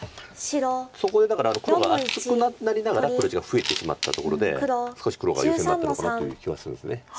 そこでだから黒が厚くなりながら黒地が増えてしまったところで少し黒が優勢になったのかなという気はするんです。